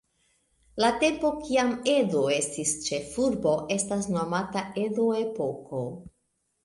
La tempo kiam Edo estis ĉefurbo, estas nomata Edo-epoko.